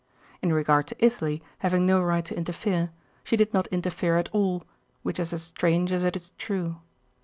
In regard to Italy having no right to interfere, she did not interfere at all; which is as strange as it is true.